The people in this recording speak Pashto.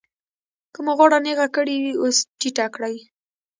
که مو غاړه نېغه کړې وي اوس ټیټه کړئ.